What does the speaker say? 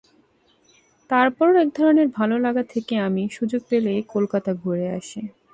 তারপরও একধরনের ভালো লাগা থেকে আমি সুযোগ পেলেই কলকাতা ঘুরে আসি।